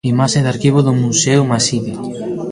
Imaxe de arquivo do Museo Maside.